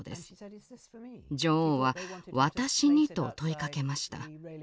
女王は「私に？」と問いかけました。